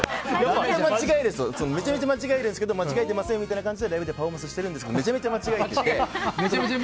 めちゃめちゃ間違えるんですけど間違えてませんよみたいな感じでライブでパフォーマンスしてるんですけどめちゃめちゃ間違えてて。